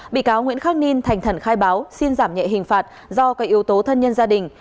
bị cáo nguyễn khắc ninh thành khẩn khai báo xin giảm nhẹ hình phạt do các yếu tố thân nhân gia đình